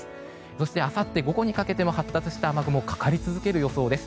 そして、あさって午後にかけても発達した雨雲はかかり続ける予想です。